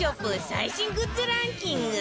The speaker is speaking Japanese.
最新グッズランキング